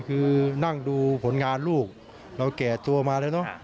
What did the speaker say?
คือนั่งดูผลงานลูกเราแก่ตัวมาแล้วเนอะ